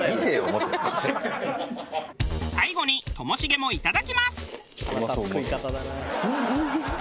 最後にともしげもいただきます。